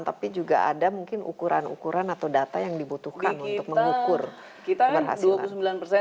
tapi juga ada mungkin ukuran ukuran atau data yang dibutuhkan untuk mengukur keberhasilan